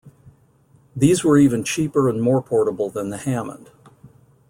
These were even cheaper and more portable than the Hammond.